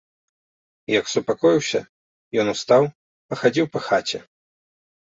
Як супакоіўся, ён устаў, пахадзіў па хаце.